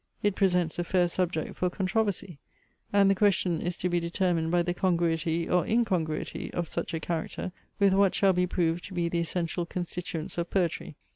It presents a fair subject for controversy; and the question is to be determined by the congruity or incongruity of such a character with what shall be proved to be the essential constituents of poetry.